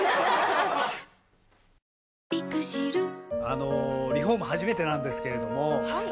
あのリフォーム初めてなんですけれどもはい。